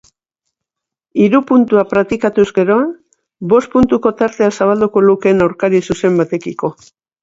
Hiru puntuak patrikaratuz gero bost puntuko tartea zabalduko lukeen aurkari zuzen batekiko.